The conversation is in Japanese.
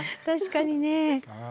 確かにね。